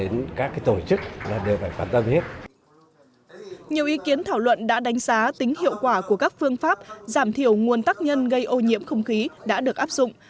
nhiều ý kiến thảo luận đã đánh giá tính hiệu quả của các phương pháp giảm thiểu nguồn tắc nhân gây ô nhiễm không khí đã được áp dụng